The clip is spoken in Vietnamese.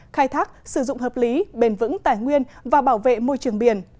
khai thác sử dụng hợp lý bền vững tài nguyên và bảo vệ môi trường biển